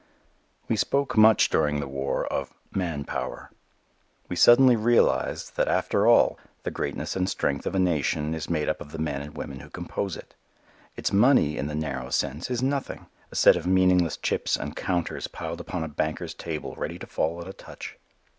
We spoke much during the war of "man power." We suddenly realized that after all the greatness and strength of a nation is made up of the men and women who compose it. Its money, in the narrow sense, is nothing; a set of meaningless chips and counters piled upon a banker's table ready to fall at a touch.